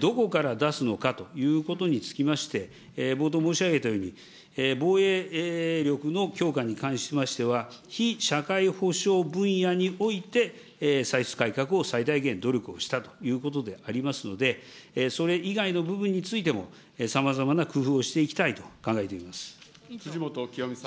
どこから出すのかということにつきまして、冒頭申し上げたように、防衛力の強化に関しましては、非社会保障分野において歳出改革を最大限努力をしたということでございますので、それ以外の部分についても、さまざまな工夫をし辻元清美さん。